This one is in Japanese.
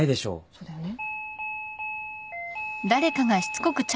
そうだよね。